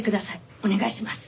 お願いします。